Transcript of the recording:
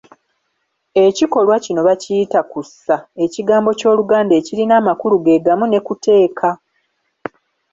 Ekikolwa kino bakiyita: Kussa, ekigambo ky'Oluganda ekirina amakulu ge gamu ne 'kuteeka'.